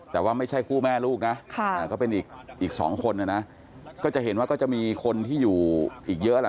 แต่ว่าไม่ใช่คู่แม่ลูกนะก็เป็นอีกสองคนนะนะก็จะเห็นว่าก็จะมีคนที่อยู่อีกเยอะแหละ